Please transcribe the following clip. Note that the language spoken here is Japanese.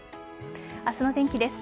明日の天気です。